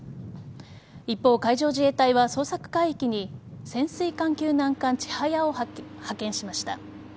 一方、海上自衛隊は捜索海域に潜水艦救難艦「ちはや」を派遣しました。